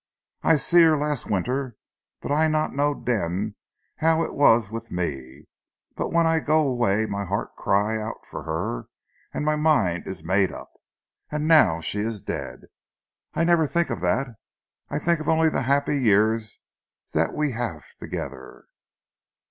I see her las' winter; but I not know den how it ees with me; but when I go away my heart cry out for her, an' my mind it ees make up.... An' now she ees dead! I never tink of dat! I tink only of zee happy years dat we weel haf togeder!"